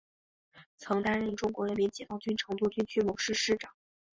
曾担任中国人民解放军成都军区某师师长。